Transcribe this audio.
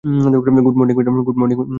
Good morning, madam.